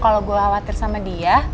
kalau gue khawatir sama dia